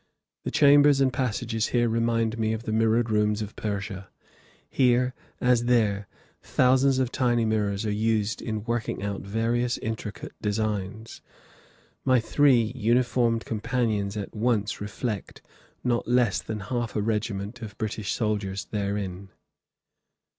The chambers and passages here remind me of the mirrored rooms of Persia; here, as there, thousands of tiny mirrors are used in working out various intricate designs. My three uniformed companions at once reflect not less than half a regiment of British soldiers therein.